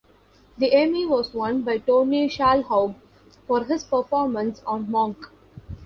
The Emmy was won by Tony Shalhoub for his performance on "Monk".